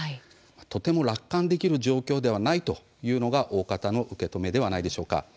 とても楽観できる状況ではないというのが大方の受け止めではないでしょうか。